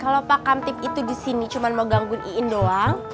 kalau pak kamtip itu di sini cuma mau gangguin iin doang